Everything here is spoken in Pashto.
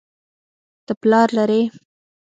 ته پلار لرې